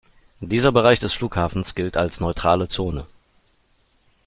Dieser Bereich des Flughafens gilt als neutrale Zone.